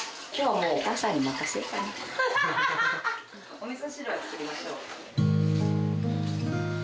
おみそ汁は作りましょう。